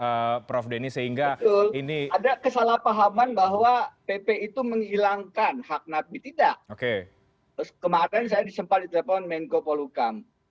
jadi perdebatan ya prof denny sehingga ini ada kesalahpahaman bahwa pp itu menghilangkan hak napi tidak oke kemarin saya disempat di telepon menko polukam